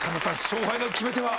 勝敗の決め手は？